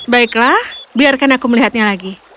baiklah biarkan aku melihatnya lagi